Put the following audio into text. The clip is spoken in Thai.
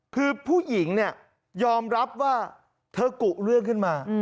คือผู้หญิงเนี่ยยอมรับว่าเธอกุเรื่องขึ้นมา